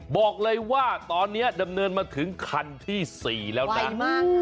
บอกเลยว่าตอนนี้ดำเนินมาถึงคันที่๔แล้วนะดีมาก